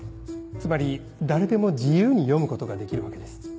つまり誰でも自由に読むことができるわけです。